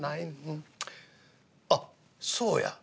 あっそうや。